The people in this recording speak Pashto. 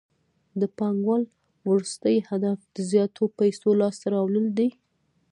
د پانګوال وروستی هدف د زیاتو پیسو لاسته راوړل دي